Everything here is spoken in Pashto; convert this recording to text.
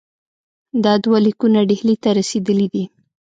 دا دوه لیکونه ډهلي ته رسېدلي دي.